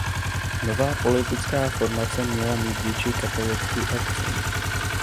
Nová politická formace měla mít větší katolický akcent.